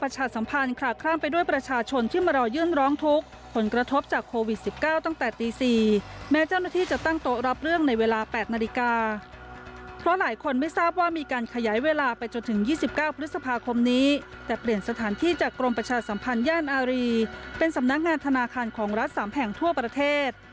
จากรัฐสามแผ่งทั่วประเทศ